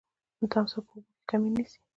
تمساح په اوبو کي کمین نیسي.